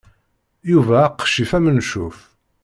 Yuba aqcic amencuf.